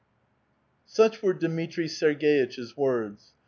Such were Dmitri 8erg^itch*s words.